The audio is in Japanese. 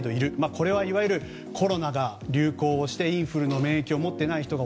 これはいわゆるコロナが流行をしてインフルの免疫を持っていない人が